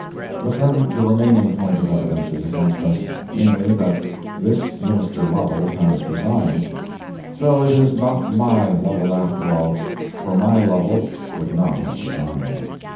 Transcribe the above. But then the remaining point of evidence is against us—namely, that this Minister Lovel has resigned. So it is not my Lovel after all. For my Lovel would not have resigned.